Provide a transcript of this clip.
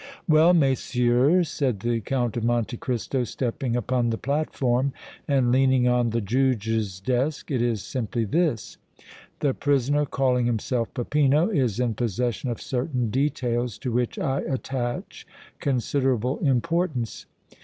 "Well, messieurs," said the Count of Monte Cristo, stepping upon the platform and leaning on the Juge's desk, "it is simply this. The prisoner calling himself Peppino is in possession of certain details to which I attach considerable importance.